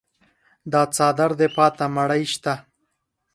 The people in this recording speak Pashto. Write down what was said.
دا څادر دې پاته مړی شته.